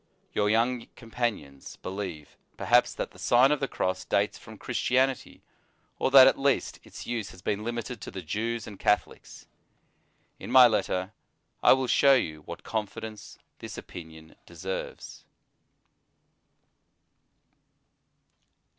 Your young companions be lieve, perhaps, that the Sign of the Cross dates from Christianity, or that, at least, its use has been limited to the Jews and Catho lics. In my next letter I will show you what confidence this opinion deserves.